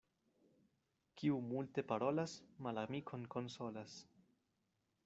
Kiu multe parolas, malamikon konsolas.